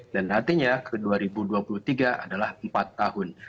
dan artinya ke dua ribu dua puluh tiga adalah empat tahun